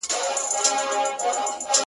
شتُرمرغ ویله زه ستاسي پاچا یم!!